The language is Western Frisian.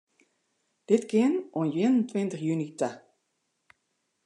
Dat kin oant ien en tweintich juny ta.